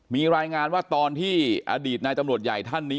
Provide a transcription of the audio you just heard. มีรายงานว่าตอนที่อดีตนายตำรวจใหญ่ท่านนี้